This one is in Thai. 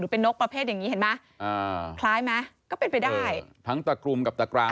เป็นนกประเภทอย่างนี้เห็นไหมอ่าคล้ายไหมก็เป็นไปได้ทั้งตะกรุมกับตะกร้า